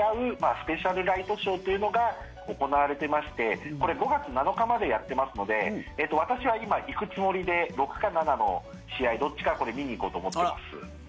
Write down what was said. スペシャルライトショーというのが行われてましてこれ、５月７日までやってますので私は今、行くつもりで６か７の試合どっちかこれ、見に行こうと思ってます。